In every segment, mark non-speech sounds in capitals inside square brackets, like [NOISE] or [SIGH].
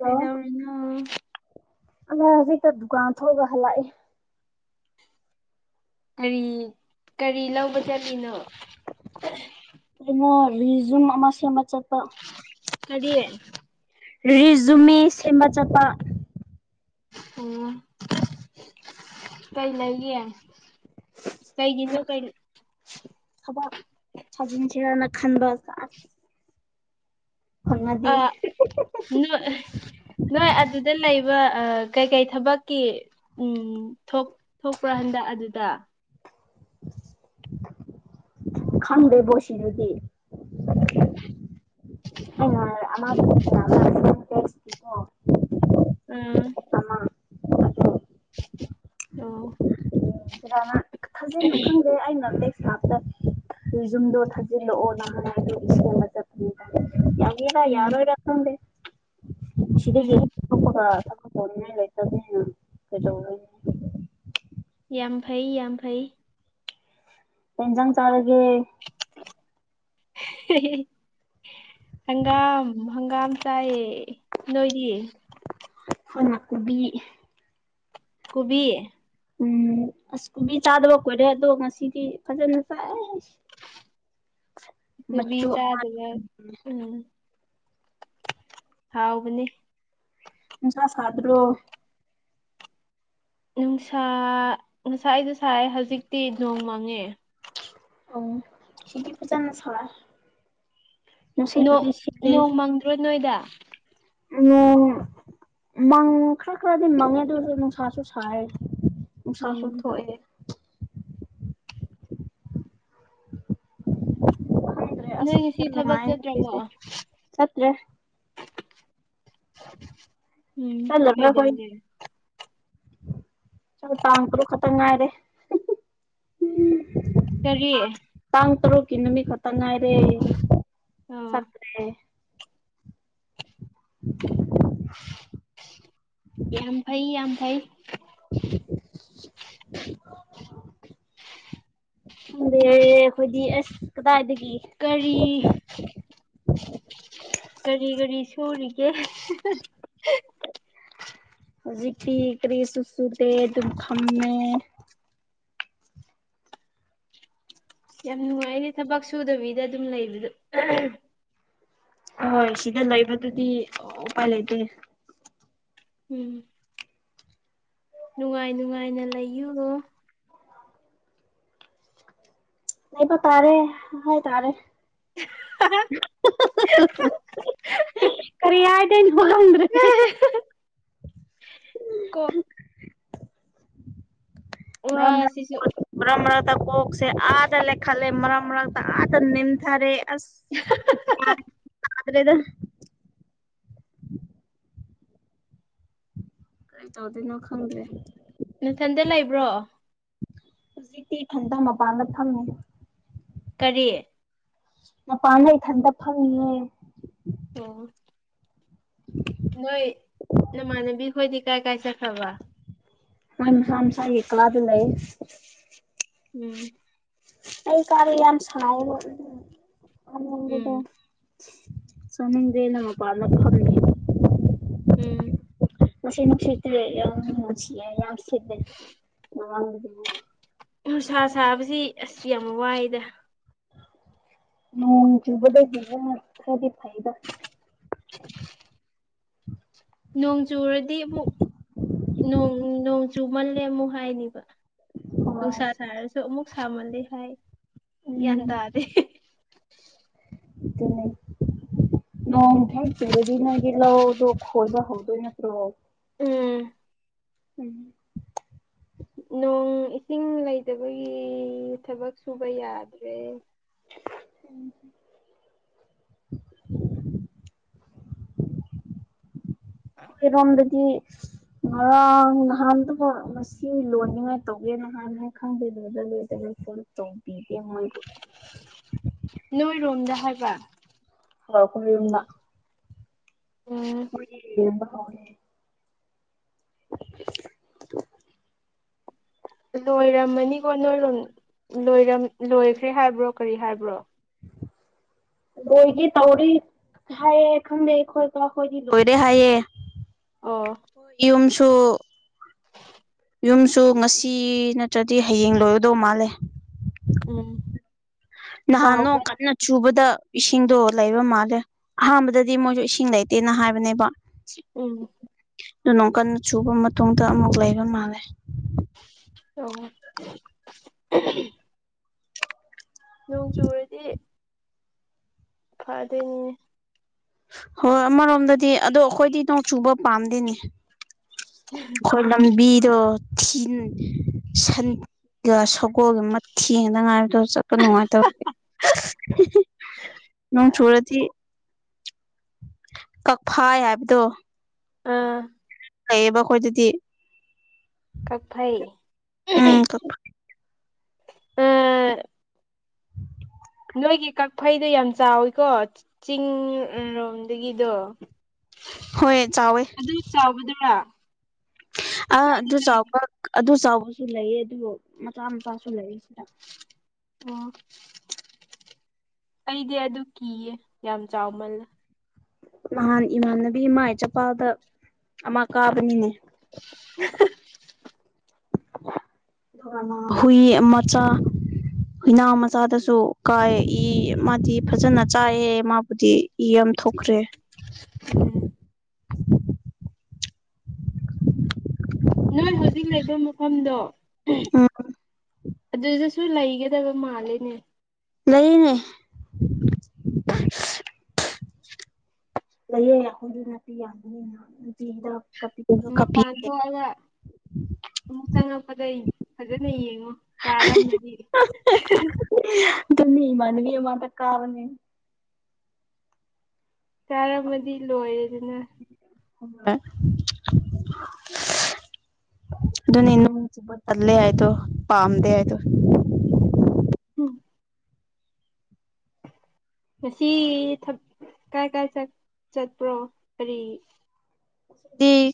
ꯀꯩꯗꯧꯔꯤꯅꯣ ꯑꯉꯥꯡ ꯍꯧꯖꯤꯛꯇ ꯗꯨꯀꯥꯟ ꯊꯣꯛꯒ ꯍꯜꯂꯛꯏ ꯀ꯭ꯔꯤ ꯀꯔꯤ ꯂꯧꯕ ꯆꯠꯂꯤꯅꯣ ꯑ ꯔꯤꯖꯨꯝ ꯑꯃ ꯁꯦꯝ ꯑꯃ ꯆꯠꯄ ꯀꯔꯤ ꯔꯤꯖꯨꯃꯦ ꯁꯦꯝꯕ ꯆꯠꯄ ꯑꯣ ꯀꯩ ꯂꯩꯥꯒꯦ ꯀꯩꯒꯤꯅꯣ ꯀꯩ ꯊꯕꯥꯛ ꯊꯥꯖꯤꯟꯁꯤꯔꯅ ꯈꯟꯕ ꯁꯥꯁ ꯑꯥ ꯅꯣꯏ ꯑꯍ ꯅꯣꯏ ꯑꯗꯨꯗ ꯂꯩꯕ ꯑ ꯀꯩ ꯀꯩ ꯊꯕꯛꯀꯤ ꯎꯝ ꯊꯣꯛ ꯊꯣꯛꯄ꯭ꯔꯣ ꯍꯟꯗꯛ ꯑꯗꯨꯗ ꯈꯥꯟꯗꯦꯕꯣ ꯁꯤꯗꯗꯤ ꯣ ꯎꯝ ꯑꯣ ꯁꯤꯗꯅ ꯊꯥꯖꯅ ꯈꯪꯖꯦ ꯑꯩꯅ ꯑꯝ ꯞꯇ ꯌꯨꯝꯗꯣ ꯊꯥꯖꯤꯜꯂꯛꯑꯣ ꯅꯍꯥꯟꯗꯣ ꯏꯕ ꯆꯠꯄꯅꯤꯅ ꯌꯥꯉꯔ ꯎꯝ ꯌꯥꯔꯣ ꯏꯔ ꯊꯦ ꯁꯤꯗꯒ ꯎꯝ ꯂꯩꯇꯅ ꯀ ꯌꯥꯝ ꯐꯩ ꯌꯥꯝ ꯐꯩ ꯑꯦꯟꯖꯥꯡ ꯆꯥꯔꯒꯦ ꯍ ꯍꯪꯒꯥꯝ ꯍꯪꯒꯥꯝ ꯆꯥꯏꯌꯦ ꯅꯣꯏꯗꯤꯌꯦ ꯍꯟꯅꯀꯨꯕꯤ ꯀꯨꯕꯤ ꯎꯝ ꯑꯁ ꯀꯣꯕꯤ ꯆꯥꯗꯕ ꯀꯣꯏꯔꯦ ꯑꯗꯣ ꯉꯁꯤꯗꯤ ꯐꯖꯅ ꯆꯥꯏꯦ ꯊꯕꯤ ꯆꯥꯗꯕ ꯎꯝ ꯍꯥꯎꯕꯅꯤ ꯁ ꯐꯗ꯭ꯔꯣ ꯅꯨꯡꯁꯥ ꯉꯅꯨꯡꯁꯥ ꯑꯩꯗꯣ ꯁꯥꯏ ꯍꯧꯖꯤꯛꯇꯤ ꯅꯣꯡ ꯃꯥꯡꯉꯦ ꯑꯣ ꯁꯤꯇ ꯄ ꯄꯨꯖꯥꯅ ꯁꯥꯂ ꯅꯣꯡꯃꯪꯗ꯭ꯔꯣ ꯅꯣꯏꯗ ꯑ ꯃꯪ ꯈꯔ ꯈꯔꯗꯤ ꯃꯪꯉꯦ ꯑꯗꯨꯁꯨ ꯅꯨꯡꯁꯥꯁꯨ ꯁꯥꯏ ꯅꯨꯡꯁꯥꯁꯨ ꯎꯝ ꯊꯣꯛꯑꯦ [INAUDIBLE] ꯭ꯗꯔꯦ ꯅꯣꯏ ꯑꯁ ꯉꯁꯤ ꯊꯕꯛ ꯆꯅꯃꯅ ꯆꯠꯇ꯭ꯔꯕꯣ ꯐꯁꯦ ꯁꯠ꯭ꯔꯦ ꯎꯝ ꯀꯩꯗ ꯆꯠꯂꯔꯣꯏ ꯑꯣꯏꯒꯦꯔꯦ ꯆꯣ ꯇꯥꯡꯈꯣ ꯈꯇꯪ ꯉꯥꯏꯔꯦ ꯀꯔꯤꯌꯦ ꯇꯔꯣ ꯀ ꯅꯨꯃꯤ ꯈꯠꯇ ꯉꯥꯏꯔꯦ ꯑꯣ ꯆꯠ꯭ꯔꯦ [INAUDIBLE] ꯌꯥꯝ ꯐꯥꯏ ꯌꯥꯝꯝ ꯐꯥꯏ [INAUDIBLE] ꯑꯗ ꯑꯩꯈꯣꯏꯗꯤ ꯑꯁ ꯀꯗꯥꯏꯗꯒꯤ ꯀꯔꯤ ꯀꯔꯤ ꯀꯔꯤ ꯁꯨꯔꯤꯒꯦ ꯍꯍ ꯍꯧꯖꯤꯛ ꯊꯤ ꯀꯔꯤ ꯁꯨꯁꯨꯨꯗꯦ ꯑꯗꯨꯝ ꯈꯝꯃꯦ ꯌꯥꯝ ꯅꯨꯡꯉꯥꯏꯅꯦ ꯊꯕꯛ ꯁꯨꯗꯕꯤꯗ ꯑꯗꯨꯝ ꯂꯩꯕꯗꯣ ꯍꯣꯏ ꯁꯤꯗ ꯂꯩꯕꯗꯨꯗꯤ ꯎꯄꯥꯏ ꯂꯩꯇꯦ ꯎꯝ ꯅꯨꯡꯉꯥꯏ ꯅꯨꯡꯉꯥꯏꯅ ꯂꯩꯌꯨ ꯑꯩꯕ ꯇꯥꯔꯦ ꯍ ꯇꯥꯔꯦ ꯍꯍꯍꯍꯍꯍ ꯈꯔꯤ ꯍꯥꯏꯗ꯭ꯔꯦ ꯀ ꯋꯥ ꯁꯤꯁꯨ ꯇ ꯀꯣꯁꯦ ꯑꯇ ꯂꯩꯦ ꯈꯂꯦ ꯃꯔ ꯃꯔꯇ ꯅꯤꯡꯅꯤꯝꯊꯔꯦꯁ ꯑꯍꯍꯑꯍꯍ ꯍꯗꯦꯗ [INAUDIBLE] ꯀꯔꯤ ꯇꯧꯗꯣꯏꯅꯣ ꯈꯪꯗ꯭ꯔꯦ ꯅꯊꯟꯗ ꯂꯩꯕ꯭ꯔꯣ ꯍꯧꯖꯤꯛꯀꯤ ꯊꯟꯗꯥ ꯃꯄꯥꯟꯗ ꯐꯪꯃꯦ ꯀꯔꯤ ꯑ ꯄꯅ ꯏ ꯊꯟꯗꯞ ꯐꯅꯤꯌꯦ ꯑꯣ ꯅꯣꯏ ꯅꯃꯥꯟꯅꯕꯤ ꯈꯣꯏꯗꯤ ꯀꯥꯏ ꯀꯥꯏ ꯆꯦ ꯊ꯭ꯔꯕ ꯑꯪꯁꯥꯝꯁꯥ ꯌꯦ ꯀꯂꯥ ꯑꯗꯨ ꯂꯩ ꯎꯝ ꯑꯩ ꯀꯔꯤ ꯌꯥꯝ ꯌꯥꯝ ꯌꯥꯝ ꯎꯝ ꯁꯗ ꯁꯃꯗꯦ ꯅ ꯄꯂ ꯀ ꯎꯝ ꯃꯁ ꯁꯤꯠꯇ꯭ꯔꯦꯁꯤ ꯌꯥꯝꯁꯤꯦ ꯎꯅꯨꯡꯁꯥ ꯁꯥꯕꯁꯤ ꯑꯁ ꯌꯥꯝ ꯋꯥꯏꯗ ꯅ ꯌꯨꯕꯗꯗꯒꯤ ꯌꯦꯁꯗꯤ ꯐꯥꯏꯗ [INAUDIBLE] ꯅꯣꯡꯖꯨꯔꯗꯤ ꯑꯃꯨꯛ ꯅꯣꯡꯖꯨ ꯃꯜꯂꯦ ꯑꯃꯨꯛ ꯍꯥꯏꯅꯤꯕ ꯍꯣꯏ ꯅꯨꯡꯁꯥ ꯁꯥꯔꯁꯨ ꯑꯃꯨꯛ ꯁꯥꯃꯜꯂꯤ ꯍꯥꯏ ꯎꯝ ꯒ꯭ꯌꯥꯟ ꯇꯥꯗꯦ ꯆꯂ ꯅ ꯏ ꯊ ꯆꯨꯔꯗꯤ ꯅꯒꯂ ꯈꯣꯜꯕ ꯍꯧꯗꯣꯏ ꯅꯠꯇ꯭ꯔꯣ ꯎꯝ ꯎꯝ ꯅꯣꯡ ꯏꯁꯤꯡ ꯂꯩꯇꯕꯒꯤ ꯊꯕꯛ ꯁꯨꯕ ꯌꯥꯗ꯭ꯔꯦ ꯑꯩꯣꯏꯔꯣꯝꯗꯗꯤ ꯉꯔꯥꯡ ꯅꯍꯥꯟꯗꯣ ꯉ ꯂꯣꯏꯅꯤꯉꯥꯏ ꯇꯧꯒꯦ ꯅꯍꯥꯟ ꯈꯪꯗꯦꯗꯗ ꯂꯣꯏꯗꯕ ꯐ ꯇꯣꯡꯝ ꯄꯤ ꯅꯣꯏꯔꯣꯝꯗ ꯍꯥꯏꯕ ꯍꯥꯎ ꯀ ꯑꯣꯏꯔꯝꯗ ꯎꯝ ꯎꯔꯤꯦꯝꯕ ꯍꯥꯎꯅꯦꯦ [INAUDIBLE] ꯂꯣꯏꯔꯝꯃꯅꯤꯀꯣ ꯅꯣꯏꯔꯣꯝ ꯂꯣꯏꯈ꯭ꯔꯦ ꯍꯥꯏꯕ꯭ꯔꯣ ꯀꯔꯤ ꯍꯥꯏꯕ꯭ꯔꯣ [INAUDIBLE] ꯂꯣꯏꯗꯤ ꯇꯧꯔꯤ ꯍꯥꯏꯌꯦꯦ ꯈꯪꯗꯦ ꯑꯩ ꯈꯣꯀ ꯑꯩꯈꯣꯏꯗꯤ ꯂꯣꯏꯔꯦ ꯍꯥꯏꯌꯦ ꯑꯣ ꯌꯨꯝꯁꯨ ꯌꯨꯝꯁꯨ ꯉꯁꯤ ꯅꯠꯇ꯭ꯔꯗꯤ ꯍꯌꯦꯡ ꯂꯣꯏꯒꯗꯧ ꯃꯥꯜꯂꯦ ꯎꯝ ꯅꯍꯥꯟꯅꯣ ꯆꯥꯎꯕ ꯀꯟꯅ ꯆꯨꯕꯗ ꯏꯁꯤꯡꯗꯣ ꯂꯩꯕ ꯃꯥꯜꯂꯦ ꯑꯍꯥꯟꯕꯗꯗꯤ ꯃꯣꯏꯁꯨ ꯏꯁꯤꯡ ꯂꯩꯇꯦꯅ ꯍꯥꯏꯕꯅꯦꯕ ꯎꯝ ꯑꯗꯨ ꯅ ꯀꯟꯅ ꯁꯨꯕ ꯃꯇꯨꯡꯗ ꯑꯃꯨꯛ ꯂꯩꯕ ꯃꯥꯜꯂꯦ ꯑꯣ ꯅꯣꯡ ꯆꯨꯔꯗꯤ ꯐꯗ ꯍꯣꯏ ꯑꯃꯔꯣꯝꯗꯗꯤ ꯑꯗꯣ ꯑꯩꯈꯣꯏꯗꯤ ꯅꯣꯡ ꯆꯨꯕ ꯄꯥꯝꯗꯦꯅꯦ ꯑꯩꯈꯣꯏ ꯂꯝꯕꯤꯔꯣ ꯊꯤꯟ ꯁꯟ ꯁꯒꯣꯜꯒꯤ ꯃ ꯊꯦꯡꯗ ꯉꯥꯏꯕꯗ ꯁꯀꯅꯅꯨꯡ ꯍꯥꯏ ꯇ ꯅ ꯊꯣꯣꯔꯗꯤ ꯀꯛꯐꯥ ꯍꯥꯏꯕꯗꯣ ꯑꯥ ꯂꯩꯌꯦꯕ ꯑꯩꯈꯣꯏ ꯑꯗꯨꯗꯤ ꯀꯄꯩ ꯑ ꯅꯣꯏꯒꯤ ꯀꯛꯐꯩꯗꯣ ꯌꯥꯝ ꯆꯥꯎꯋꯤꯀꯣ ꯆꯤꯡꯔꯣꯝꯗꯒꯤꯗꯣ ꯍꯣꯏ ꯑꯗꯨ ꯆꯥꯎꯒꯗꯔꯥ ꯑ ꯑꯗꯨ ꯆꯥꯎ ꯑꯗꯨ ꯆꯥꯎꯕꯁꯨ ꯂꯩꯌꯦ ꯑꯗꯨꯒ ꯃꯆꯥ ꯃꯆꯥꯁꯨ ꯂꯩꯌꯦ ꯁꯤꯗ ꯑꯣ ꯑꯩꯗꯤ ꯑꯗꯨ ꯀꯤꯌꯦ ꯌꯥꯝ ꯆꯥꯎꯃꯜꯂꯦ ꯅꯍꯥꯟ ꯏꯃꯥꯟꯅꯕꯤ ꯏꯃꯥ ꯏꯆꯥꯄꯥꯗ ꯑꯃ ꯀꯥꯕꯅꯤꯅꯦ [INAUDIBLE] ꯍꯨꯏ ꯃꯆꯥ ꯍꯨꯏꯅꯥ ꯃꯆꯥꯗꯁꯨ ꯀꯥꯏ ꯏ ꯃꯥꯗꯤ ꯐꯖꯅ ꯆꯥꯏꯑ ꯃꯥꯕꯨꯗꯤ ꯏ ꯊꯣꯛꯈ꯭ꯔꯦ ꯎꯝ ꯅꯣꯏ ꯍꯧꯖꯤꯛ ꯂꯩꯕ ꯃꯐꯝꯗꯣ ꯑꯥ ꯑꯗꯨꯗꯁꯨ ꯂꯩꯒꯗꯕ ꯃꯥꯂꯦꯅꯦ ꯂꯩꯌꯦꯅꯦ ꯂꯩꯌꯦ ꯑꯩꯈꯣꯏꯗꯤ ꯅꯥꯄꯤ ꯌꯥꯝꯕꯅꯤꯅ ꯅꯄꯤ ꯍꯤꯗꯥꯛ ꯀꯥꯄꯤꯗꯧꯗꯣ ꯃꯄꯥꯟ ꯀꯄꯤꯗꯦ ꯊꯣꯛꯑꯒ ꯑꯃꯨꯛ ꯆꯪꯉꯛꯄꯗꯩ ꯐꯖꯅ ꯌꯦꯡꯉꯣ ꯀꯥꯔꯝꯃꯗꯤ ꯇꯅꯤ ꯃꯥꯅꯕꯤ ꯑꯣꯃ ꯇ ꯀꯥꯕꯅꯤ ꯆꯥꯔꯝꯃꯗꯤ ꯂꯣꯏꯔꯦꯗꯨꯅ [UNINTELLIGIBLE] ꯑꯗꯨꯅꯤ ꯏꯅ ꯆꯕ ꯇꯂꯦ ꯍꯥꯏꯗꯣ ꯄꯝꯗꯦ ꯍꯥꯏꯣ ꯎꯝ [INAUDIBLE] ꯉꯁꯤ ꯀꯥꯏ ꯀꯥꯏ ꯆꯠꯄ꯭ꯔꯣ ꯀꯥꯔꯤ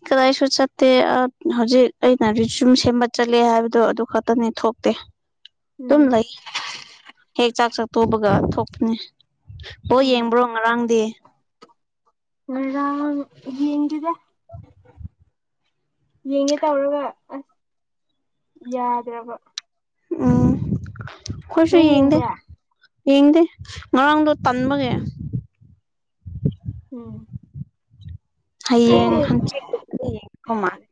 ꯀꯗꯥꯏꯁꯨ ꯆꯠꯇꯦ ꯍꯧꯖꯤꯛ ꯑꯩꯅ ꯌꯨꯝ ꯁꯦꯝꯕ ꯆꯠꯂꯦ ꯍꯥꯏꯕꯗꯣ ꯑꯗꯨ ꯈꯛ ꯈꯛꯇꯅꯤ ꯊꯣꯛꯇꯦ ꯑꯗꯨꯝ ꯎꯝ ꯂꯩ ꯍꯦꯛ ꯆꯥꯛ ꯆꯥꯛ ꯇꯣꯛꯕꯒ ꯊꯣꯛꯄꯅꯦ ꯕꯣꯜ ꯑꯣ ꯌꯦꯡꯕ꯭ꯔꯣ ꯉꯔꯥꯡꯗꯤ ꯉꯔꯥꯡ ꯌꯦꯡꯗꯦꯗ [INAUDIBLE] ꯌꯦꯡꯒꯦ ꯇꯧꯔꯒ ꯑꯁ ꯌꯥꯗ꯭ꯔꯕ ꯎꯝ ꯈꯨꯏꯁꯨ ꯅꯪ ꯌꯦꯡꯗꯦ ꯌꯦꯡꯕ꯭ꯔꯥ ꯌꯦꯡꯗꯦ ꯉꯔꯥꯡꯗꯣ ꯇꯟꯕꯒꯦ ꯎꯝ ꯍꯌꯦꯡ ꯍ ꯌꯦ ꯀꯣ ꯃꯥꯦ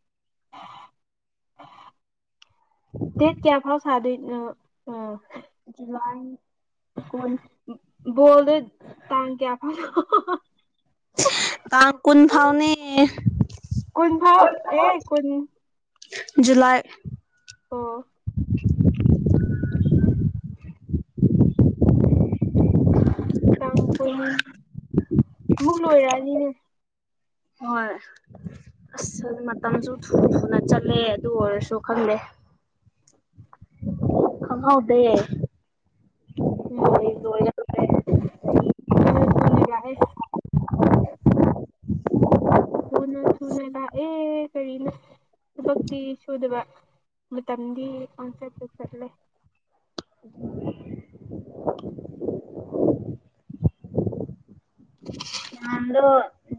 ꯗꯦꯠ ꯀꯌꯥ ꯐꯥꯎ ꯁꯥꯗꯣꯏ ꯑ ꯋꯥ ꯀꯣꯟ ꯣꯜꯗ ꯇꯥꯡ ꯀꯌꯥ ꯐ ꯇꯥꯡ ꯀꯨꯟ ꯐꯥꯎꯅꯦ ꯀꯨꯟ ꯐꯥꯎ ꯑꯦ ꯀꯨꯟ ꯖꯨꯂꯥꯏ ꯑꯣ [UNINTELLIGIBLE] ꯇꯥꯡ ꯀꯨꯟ ꯑꯃꯨꯛ ꯂꯣꯏꯔꯛꯑꯅꯤꯅꯦ ꯍꯣꯏ ꯃꯇꯝꯁꯨ ꯊꯨ ꯊꯨꯅ ꯆꯠꯂꯦ ꯑꯗꯨ ꯑꯣꯏꯔꯁꯨ ꯈꯪꯗꯦ ꯈꯪꯍꯧꯗꯦ ꯎꯝ ꯂꯣꯏ ꯂꯣꯏꯔꯛꯈ꯭ꯔꯦ ꯄꯨꯅ ꯁꯨꯅꯦꯂ ꯍꯥꯏ ꯊꯨꯅ ꯊꯨꯅ ꯂꯥꯑꯦ ꯊꯕꯛꯇꯤ ꯁꯨꯗꯕ ꯃ ꯇꯝꯗꯤ ꯀꯣꯟꯁꯦꯁꯔꯂꯦ [INAUDIBLE] ꯅꯗꯣ ꯎ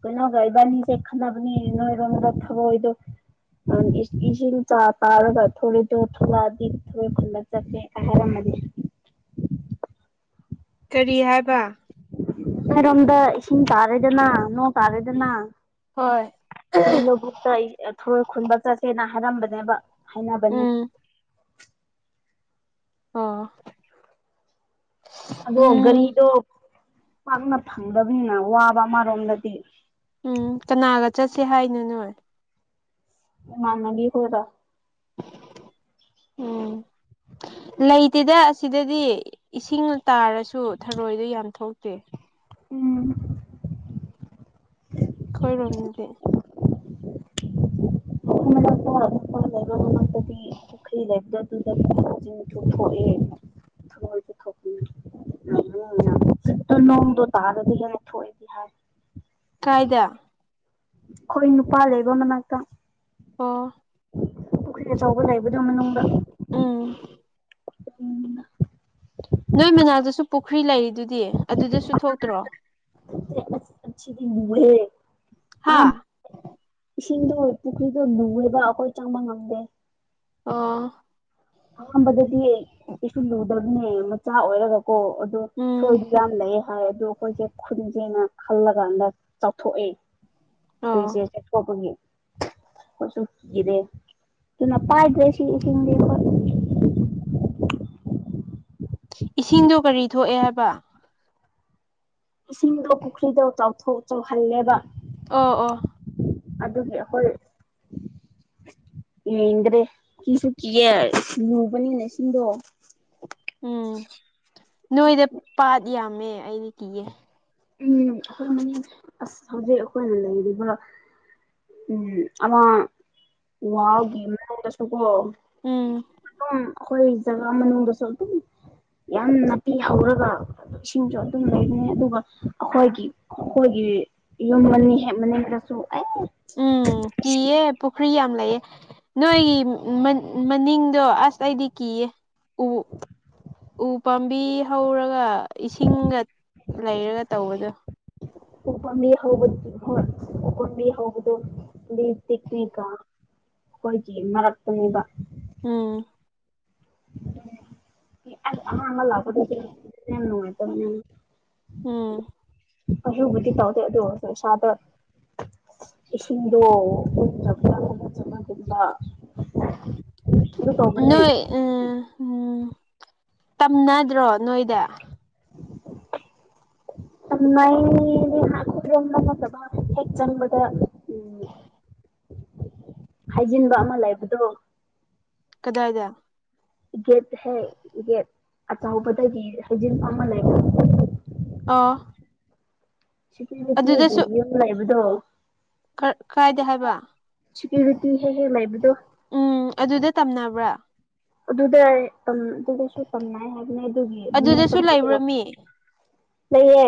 ꯀꯩꯅꯣꯒꯥꯏꯕꯅꯤ ꯆꯦ ꯈꯟꯗꯕꯅꯤ ꯅꯣꯏꯔꯝꯗ ꯊꯕ ꯑꯣꯏꯗ ꯏꯁꯤꯡ ꯆꯥ ꯇꯥꯔ ꯊꯔꯗ ꯊꯂꯗ ꯊꯦ [INAUDIBLE] ꯀꯔꯤ ꯍꯥꯏꯕ ꯑꯩꯔꯣꯝꯗ ꯏꯁꯤꯡ ꯇꯥꯔꯦꯗꯅ ꯅꯣꯡ ꯇꯥꯔꯦꯗꯅ ꯍꯣꯏ ꯅꯣꯏ ꯂꯧꯕꯨꯛꯇ ꯑꯩ ꯊꯣꯏ ꯈꯨꯟꯕ ꯆꯠꯁꯦꯅ ꯍꯥꯏꯔꯝꯕꯅꯦꯕ ꯍꯥꯏꯅꯕꯅꯤ ꯎꯝ ꯑꯥ ꯑꯗꯣ ꯒꯥꯔꯤꯗꯣ ꯄꯥꯛꯅ ꯐꯪꯗꯕꯅꯤꯅ ꯋꯥꯕ ꯑꯃꯔꯣꯝꯗꯗꯤ ꯎꯝ ꯀꯅꯥꯒ ꯆꯠꯁꯦ ꯍꯥꯏꯅꯨ ꯅꯣꯏ ꯃꯅꯒꯤ ꯍꯣꯏꯗ ꯎꯝ ꯂꯩꯇꯦꯗ ꯑꯁꯤꯗꯗꯤ ꯏꯁꯤꯡ ꯇꯥꯔꯁꯨ ꯊꯔꯣꯏꯗꯣ ꯌꯥꯝ ꯊꯣꯛꯇꯦ ꯎꯝ ꯈꯣꯏꯔꯣꯜ ꯅꯗꯤ ꯐ ꯗꯤ ꯄꯨꯈ꯭ꯔꯤ ꯂꯩꯗꯗꯨꯗꯖꯤ ꯊꯣꯛꯑꯦ [UNINTELLIGIBLE] ꯅꯣꯡꯗ ꯇꯥꯗꯗꯤꯒꯅ ꯊꯣꯛꯏ ꯍꯥꯏꯔ ꯀꯥꯏꯗ ꯑꯩꯈꯣꯏ ꯅꯨꯄꯥ ꯂꯩꯕ ꯃꯅꯥꯛꯇ ꯑꯣ ꯄꯨꯣꯈ꯭ꯔꯤꯗ ꯆꯕ ꯎꯝ ꯅꯣꯏ ꯃꯅꯥꯗꯁꯨ ꯄꯨꯈ꯭ꯔꯤ ꯂꯩꯔꯤꯗꯨꯗꯤ ꯑꯗꯨꯗꯁꯨ ꯊꯣꯛꯇ꯭ꯔꯣ ꯑꯤ ꯂꯦ ꯍꯥꯥ ꯏꯁꯤꯡꯗꯣꯏ ꯄꯨꯈꯔꯤꯗꯣ ꯅꯨꯡꯔꯦꯕ ꯑꯈꯣꯏ ꯆꯪꯃ ꯉꯝꯗꯦ ꯑꯥ ꯑꯍꯥꯟꯕꯗꯗꯤ ꯀꯩꯁꯨꯁꯨ ꯂꯨꯗꯕꯅꯦ ꯃꯆꯥ ꯑꯣꯏꯔꯒ ꯀꯣ ꯑꯗꯨꯗꯣ ꯎꯝ ꯊꯣꯏꯗꯤ ꯌꯥꯝ ꯂꯩꯌꯦꯦ ꯍꯥꯏ ꯑꯗꯨꯗꯣ ꯑꯩꯈꯣꯏꯁꯦ ꯈꯨꯟꯁꯦꯅ ꯈꯜꯂ ꯀꯥꯟꯗ ꯆꯥꯎꯊꯣꯛꯑꯦ ꯇ ꯆꯦ ꯑꯣ ꯆꯦ ꯀꯕꯨꯣꯒ ꯍꯁꯨ ꯒꯤꯗꯦ ꯑꯗꯨꯅ ꯄ ꯍꯥꯏꯗ꯭ꯔꯦ ꯁꯤ ꯁꯤ ꯏꯁꯤꯡꯗꯣ ꯀꯔꯤ ꯊꯣꯛꯑꯦ ꯍꯥꯏꯕ ꯏꯁꯤꯡꯗꯣ ꯄꯨꯈ꯭ꯔꯤꯗꯣ ꯆꯥꯎꯊꯣꯛ ꯆꯥꯎꯧꯍꯜꯂꯦꯕ ꯑ ꯑꯣ ꯑꯗꯨꯒꯤ ꯍꯣꯏꯦ ꯌꯦꯡꯗ꯭ꯔꯦ ꯀꯤꯁꯨ ꯀꯤꯌꯦꯦ ꯂꯨꯕꯅꯤꯅꯁꯤꯡꯗꯣ ꯎꯝ ꯅꯣꯏꯗ ꯄꯥꯠ ꯌꯥꯝꯃꯦ ꯑꯩꯗꯤ ꯀꯤꯌꯦꯦ ꯎꯝ ꯑꯩꯈꯣꯏ ꯃ ꯑꯁ ꯍꯧꯖꯤꯛ ꯑꯩꯈꯣꯏ ꯂꯩꯔꯤꯕ ꯎꯝ ꯑ ꯋꯥꯃ ꯁꯒꯣ ꯎꯝ ꯑꯩꯈꯣꯏ ꯖꯒꯥ ꯃꯅꯨꯡꯗꯁꯨ ꯑꯗꯨꯝ ꯌꯥꯝ ꯅꯥꯄꯤ ꯍꯧꯔꯒ ꯏꯁꯤꯡꯁꯨ ꯑꯗꯨꯝ ꯂꯩꯕꯅꯦ ꯑꯗꯨꯒ ꯑꯩꯈꯣꯏꯒꯤ ꯑꯩꯈꯣꯏꯒꯤ ꯌꯨꯝ ꯃꯅꯤꯡ ꯍꯦꯛ ꯃꯅꯤꯡꯗꯁꯨ ꯑꯩ ꯎꯝ ꯀꯤꯌꯦ ꯄꯨꯈ꯭ꯔꯤ ꯌꯥꯝ ꯂꯩꯑꯦ ꯅꯣꯏꯒꯤ ꯃꯅꯤꯡꯗꯣ ꯑꯁ ꯑꯩꯗꯤ ꯀꯤꯌꯦ ꯎ ꯎ ꯄꯥꯝꯕꯤ ꯍꯧꯔꯒ ꯏꯁꯤꯡꯒ ꯂꯩꯔꯒ ꯇꯧꯕꯗꯣ ꯎꯄꯝꯕꯤ ꯍꯧꯕ ꯎꯄꯝꯕ ꯍꯧꯕꯗꯨ ꯂꯤ ꯇꯤꯛꯅꯤꯀ ꯍꯣꯏ ꯆ ꯃꯔꯔꯛꯇꯛꯇꯕ ꯎꯝ ꯑꯃ ꯂꯀ ꯆꯅꯅꯨꯡꯉꯥꯏ ꯇꯝꯅ ꯎꯝ ꯑꯁꯨꯕꯤ ꯇꯥꯎꯗ ꯑꯗꯨ ꯁꯥꯇ ꯏꯁꯤꯡꯗꯣ ꯆꯞ ꯈꯣꯒꯠꯆꯕꯒꯨꯝꯕ ꯑꯗꯨ ꯇꯧꯕꯅꯦ ꯅꯣꯏ ꯎꯝ ꯎꯝ ꯇꯝꯅꯗ꯭ꯔꯣ ꯅꯣꯏꯗ [UNINTELLIGIBLE] [UNINTELLIGIBLE] ꯆꯪꯗ ꯍꯥꯏꯖꯤꯟꯕ ꯑꯃ ꯂꯩꯕꯗꯣ ꯀꯗꯥꯏꯗ ꯒꯦꯠ ꯍꯦ ꯒꯦꯠ ꯑꯆꯧꯕꯗꯒꯤ ꯍꯩꯖꯤꯟꯕ ꯑꯃ ꯂꯩꯕ ꯑꯥ ꯁꯤꯀꯕꯠꯇꯤꯗꯤ ꯌꯧꯏꯕꯨꯗꯣ ꯀꯥꯏꯗ ꯍꯥꯏꯕ ꯁꯦꯀ꯭ꯌꯨꯔꯤꯇꯤ ꯍꯦꯛ ꯍꯦꯛ ꯂꯩꯕꯗꯣ ꯎꯝ ꯑꯗꯨꯗ ꯇꯝꯅꯕ [UNINTELLIGIBLE] ꯑꯗꯨꯗ ꯑꯗꯨꯗꯁꯨ ꯇꯝꯅꯏ ꯍꯥꯏꯕꯅꯦ ꯑꯗꯨꯒꯤ ꯑꯗꯨꯗꯁꯨ ꯂꯩꯕ꯭ꯔꯥ ꯃꯤ ꯅꯌꯦ